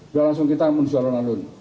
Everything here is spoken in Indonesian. dia langsung kita menjual lalu lalu